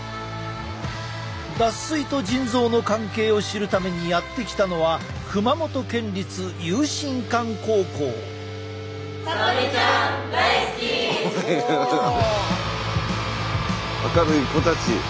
脱水と腎臓の関係を知るためにやって来たのは明るい子たち。